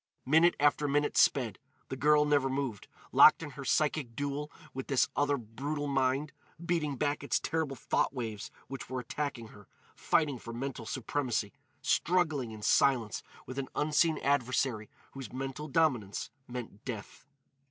Minute after minute sped: the girl never moved, locked in her psychic duel with this other brutal mind,—beating back its terrible thought waves which were attacking her, fighting for mental supremacy, struggling in silence with an unseen adversary whose mental dominance meant death.